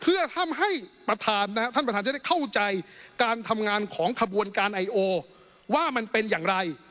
เพื่อทำให้ท่านประธานจะได้เข้าใจการทำงานของขบวนการไอโอว่ามันเป็นอย่างไร